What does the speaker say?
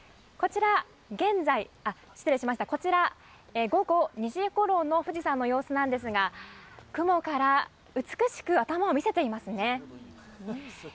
こちら、午後２時ごろの富士山の様子なんですが雲から美しく頭を見せていますね。